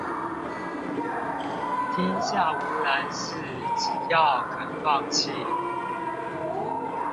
天下無難事，只要肯放棄